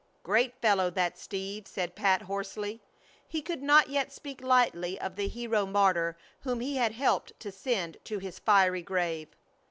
"Great fellow, that Steve!" said Pat, hoarsely. He could not yet speak lightly of the hero martyr whom he had helped to send to his fiery grave.